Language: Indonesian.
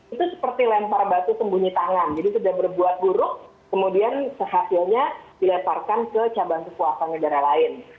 itu seperti lempar batu sembunyi tangan jadi sudah berbuat buruk kemudian sehasilnya dilemparkan ke cabang kekuasaan negara lain